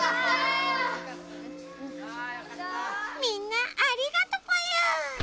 みんなありがとぽよ！